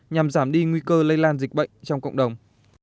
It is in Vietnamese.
nhằm giảm đi nguy cơ lây lan dịch bệnh trong cộng đồng